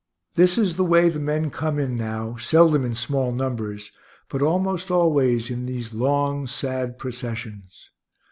This is the way the men come in now, seldom in small numbers, but almost always in these long, sad processions.